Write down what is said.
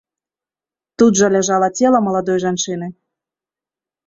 Тут жа ляжала цела маладой жанчыны.